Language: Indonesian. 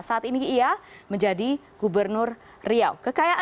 saat ini ia menjadi gubernur riau